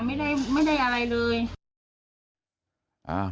ไม่ได้ไม่ได้อะไรเลย